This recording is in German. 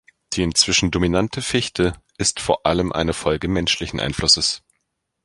Die inzwischen dominante Fichte ist vor allem eine Folge menschlichen Einflusses.